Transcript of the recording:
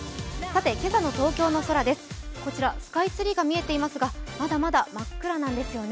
今朝の東京の空です、こちらスカイツリーが見えていますが、まだまだ真っ暗なんですよね。